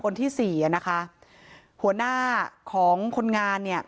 ที่สี่อ่ะนะคะหัวหน้าของคนงานเนี่ย